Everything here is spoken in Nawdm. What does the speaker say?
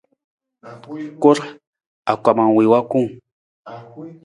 Kur, angkoma wii wa kung.